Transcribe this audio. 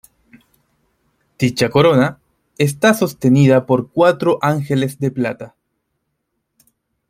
Dicha corona está sostenida por cuatro ángeles de plata.